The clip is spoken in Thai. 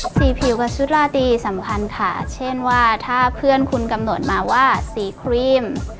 สีผิวกับชุดลาตีสำคัญค่ะเช่นว่าถ้าเพื่อนคุณกำหนดมาว่าสีครีม